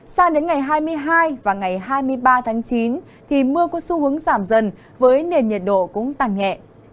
sang đến ngày hai mươi hai và ngày hai mươi ba tháng chín thì mưa có xu hướng giảm dần với nền nhiệt độ cũng tăng nhẹ